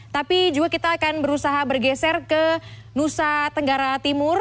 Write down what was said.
tapi juga kita akan berusaha bergeser ke nusa tenggara timur